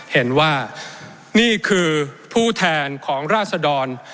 เห็นว่านี่คือผู้แทนของราศดร